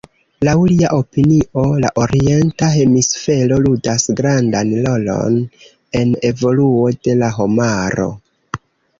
Laŭ lia opinio, la Orienta hemisfero ludas grandan rolon en evoluo de la homaro.